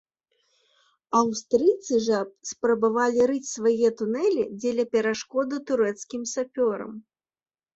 Аўстрыйцы жа спрабавалі рыць свае тунэлі, дзеля перашкоды турэцкім сапёрам.